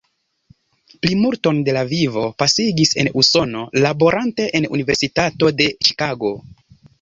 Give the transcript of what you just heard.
Plimulton de la vivo pasigis en Usono, laborante en la Universitato de Ĉikago.